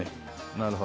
なるほど。